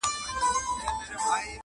یا مېړونه بدل سوي یا اوښتي دي وختونه-